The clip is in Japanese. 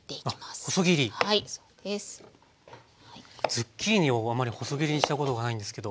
ズッキーニをあんまり細切りにしたことがないんですけど。